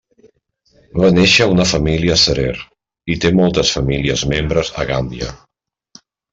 Va néixer a una família Serer i té moltes famílies membres a Gàmbia.